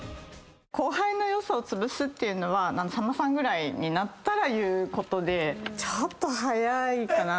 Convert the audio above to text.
後輩の良さをつぶすっていうのはさんまさんぐらいになったら言うことでちょっと早いかな。